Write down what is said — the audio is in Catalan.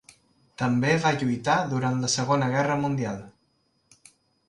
També va lluitar durant la Segona Guerra Mundial.